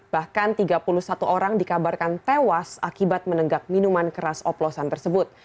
bahkan tiga puluh satu orang dikabarkan tewas akibat menenggak minuman keras oplosan tersebut